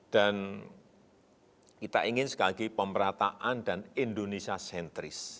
dan kita ingin sekali lagi pemerataan dan indonesia sentris